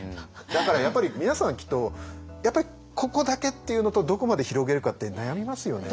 だからやっぱり皆さんはきっとやっぱりここだけっていうのとどこまで広げるかって悩みますよね。